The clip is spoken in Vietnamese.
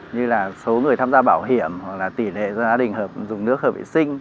như là số người tham gia bảo hiểm hoặc là tỉ lệ gia đình dùng nước hợp vệ sinh